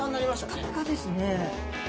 ピカピカですね。